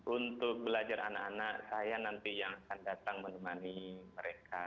untuk belajar anak anak saya nanti yang akan datang menemani mereka